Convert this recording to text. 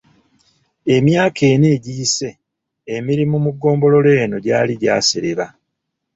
Emyaka ena egiyise, emirimu mu ggombolola eno gyali gyasereba.